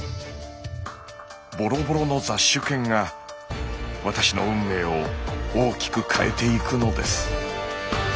ボロボロの雑種犬が私の運命を大きく変えていくのです。